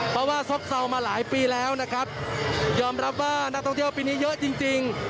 เพราะว่าซบเซามาหลายปีแล้วนะครับยอมรับว่านักท่องเที่ยวปีนี้เยอะจริงจริง